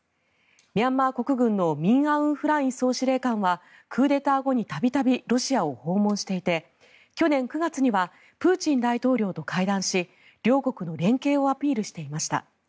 ミャンマー国軍のミンアウンフライン総司令官はクーデター後に度々、ロシアを訪問していて去年９月にはプーチン大統領と会談し両国の連携をアピールしていました。